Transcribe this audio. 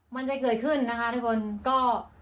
มันจะเกิดขึ้นนะคะทุกคนก็